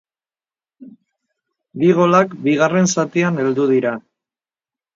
Bi golak bigarren zatian heldu dira.